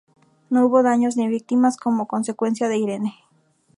No hubo daños ni víctimas como consecuencia de Irene.